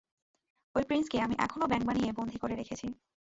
ঐ প্রিন্সকে আমি এখনো ব্যাঙ বানিয়ে বন্দী করে রেখেছি!